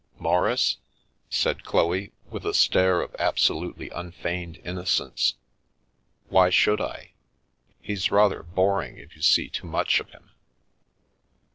"Maurice?" said Chloe, with a stare of abso lutely unfeigned innocence, " why should I ? He's rather boring if you see too much of him.